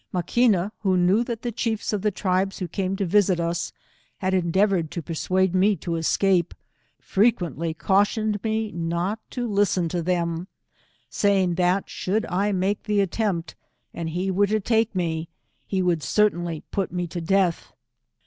Alaqoina, who knew that i\^e chiefs of the tribes who came to visit us, had endeavoured to per suade me \o escape, frequently cautioned me not to listen to them, saying that should I make the attempt, and he were to take me, he should cer tainly put me to death.